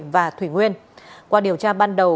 và thủy nguyên qua điều tra ban đầu